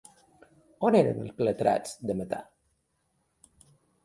On eren els clatrats de metà?